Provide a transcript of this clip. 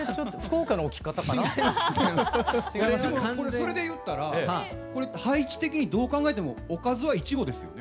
それで言ったらこれ配置的にどう考えてもおかずはイチゴですよね。